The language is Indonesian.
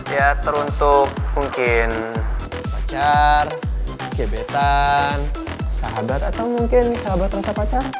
ya teruntuk mungkin pacar gebetan sahabat atau mungkin sahabat rasa pacar